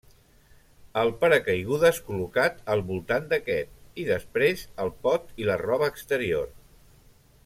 El paracaigudes col·locat al voltant d'aquest, i després el pot i la roba exterior.